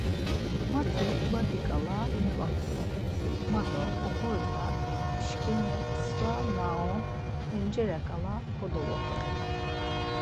Mati badi ǩale mevaxolar; ma do oxorza, şǩimi sva na on pencere ǩale kodovoxuni.